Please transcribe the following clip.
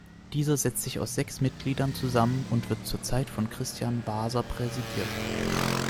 Dieser setzt sich aus sechs Mitgliedern zusammen und wird zurzeit von Christian Waser präsidiert.